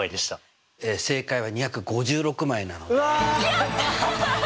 やった！